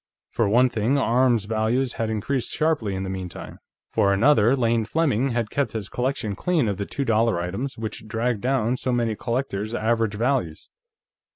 For one thing, arms values had increased sharply in the meantime. For another, Lane Fleming had kept his collection clean of the two dollar items which dragged down so many collectors' average values.